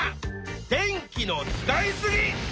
電気の使い過ぎ！